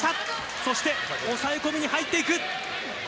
そして抑え込みに入っていく！